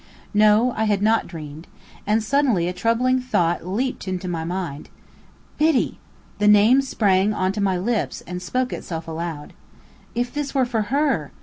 No, I had not dreamed. And suddenly a troubling thought leaped into my mind. "Biddy!" The name sprang to my lips and spoke itself aloud. If this were for her!